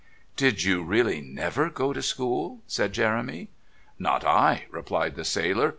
"Did you really never go to school?" asked Jeremy. "Not I!" relied the sailor.